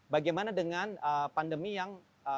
bagaimana dengan pandemi yang